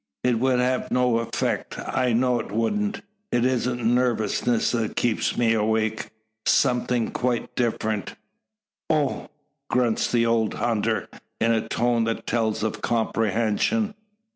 "It would have no effect. I know it wouldn't. It isn't nervousness that keeps me awake something quite different." "Oh!" grunts the old hunter, in a tone that tells of comprehension.